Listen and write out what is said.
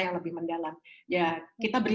yang lebih mendalam ya kita beri